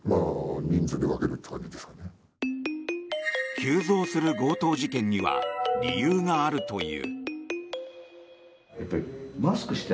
急増する強盗事件には理由があるという。